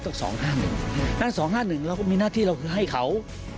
ถ้า๒๕๑เรามีหน้าที่เราคือให้เขา